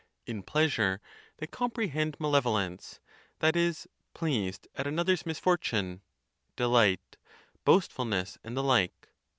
In pleasure they comprehend malevolence—that is, pleased at another's mis fortune—delight, boastfulness, and the like.